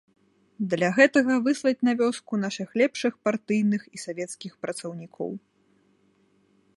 Для гэтага выслаць на вёску нашых лепшых партыйных і савецкіх працаўнікоў.